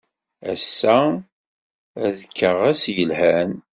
Ass-a, ad kkeɣ ass yelhan.